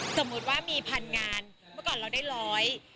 สมมุติว่ามีพันงานเมื่อก่อนเราได้ร้อย